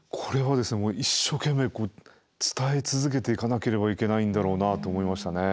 一生懸命伝え続けていかなければいけないんだろうなと思いましたね。